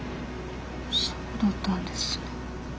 そうだったんですか。